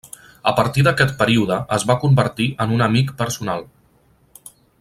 A partir d'aquest període es va convertir en un amic personal.